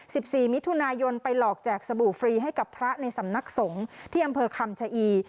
สิบสี่มิถุนายนไปหลอกแจกสบู่ฟรีให้กับพระในสำนักสงฆ์ที่อำเภอคำชะอี